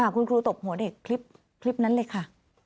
คุณครูตบหัวเด็กคลิปนั้นเลยค่ะ